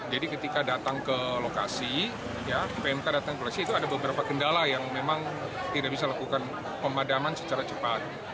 jadi ketika datang ke lokasi ya pmk datang ke lokasi itu ada beberapa kendala yang memang tidak bisa lakukan pemadaman secara cepat